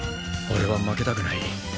俺は負けたくない。